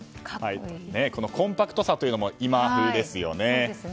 コンパクトさというのも今風ですよね。